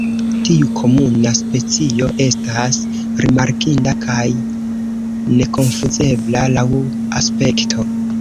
Tiu komuna specio estas rimarkinda kaj nekonfuzebla laŭ aspekto.